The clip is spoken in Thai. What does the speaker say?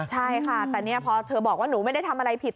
ใช่ค่ะแต่เนี่ยพอเธอบอกว่าหนูไม่ได้ทำอะไรผิด